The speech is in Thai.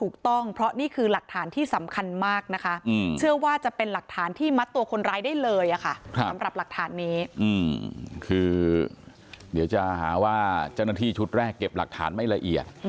คือเดี๋ยวจะหาว่าเจ้าหน้าที่ชุดแรกเก็บหลักฐานไม่ละเอียด